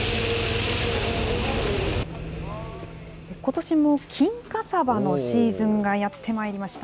ことしも金華さばのシーズンがやってまいりました。